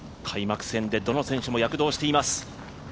開幕戦で、どの選手も躍動しています。